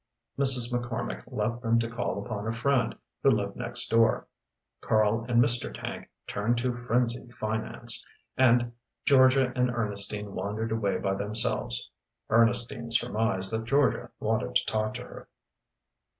Mrs. McCormick left them to call upon a friend who lived next door, Karl and Mr. Tank turned to frenzied finance, and Georgia and Ernestine wandered away by themselves Ernestine surmised that Georgia wanted to talk to her.